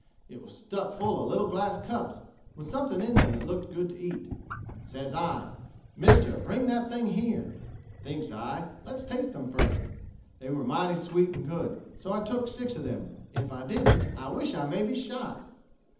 It was stuck full of little glass cups, with something in them that looked good to eat. Says I, 'Mister, bring that thing here.' Thinks I, let's taste them first. They were mighty sweet and good, so I took six of them. If I didn't, I wish I may be shot!"